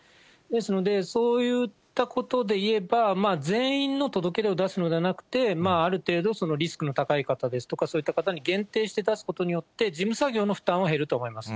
ですので、そういったことで言えば、全員の届け出を出すのではなくて、ある程度リスクの高い方ですとか、そういった方に限定して出すことによって、事務作業の負担は減ると思います。